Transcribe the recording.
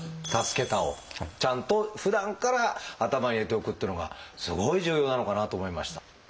「たすけた」をちゃんとふだんから頭に入れておくっていうのがすごい重要なのかなと思いました。